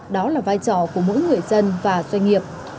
đó là vai trò của mỗi người dân và doanh nghiệp